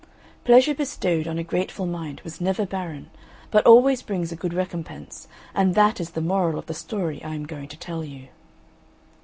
Pleasure bestowed on a grateful mind was never barren, but always brings a good recompense; and that is the moral of the story I am going to tell you.